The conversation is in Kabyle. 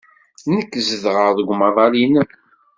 Nekk zedɣeɣ deg umaḍal-nnem.